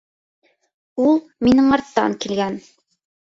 — «Ул» минең арттан килгән.